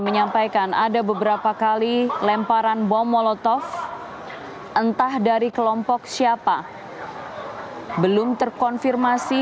menyampaikan ada beberapa kali lemparan bom molotov entah dari kelompok siapa belum terkonfirmasi